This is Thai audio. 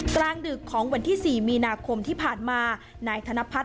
กลางดึกของวันที่๔๐มีนาคมที่ผ่านมา